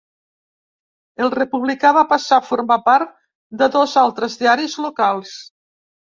El "Republicà" va passar a formar part de dos altres diaris locals.